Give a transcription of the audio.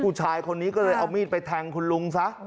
ผู้ชายคนนี้ก็เลยเอามีดไปแทงคุณลุงซะ